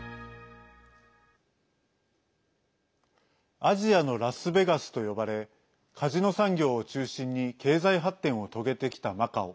アジアのラスベガスと呼ばれカジノ産業を中心に経済発展を遂げてきたマカオ。